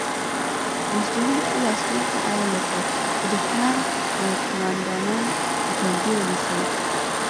رئیس جمهور خپلو عسکرو ته امر وکړ؛ د دښمن قومندانان ژوندي ونیسئ!